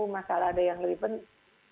masalah ada yang lebih penting